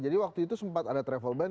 jadi waktu itu sempat ada travel ban